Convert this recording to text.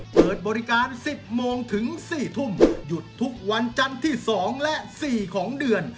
เปิดบริการ๑๐โมงถึง๔ทุ่มหยุดทุกวันจันทร์ที่๒และ๔ของเดือน